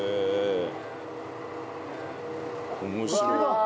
面白いな。